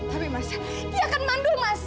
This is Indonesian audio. tapi mas dia akan mandul mas